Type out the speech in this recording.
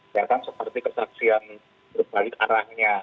ya kan seperti kesaksian berbalik arahnya